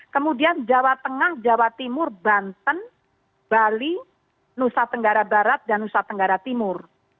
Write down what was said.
kemudian jawa tengah jawa timur banten bali nusa tenggara barat dan nusa tenggara timur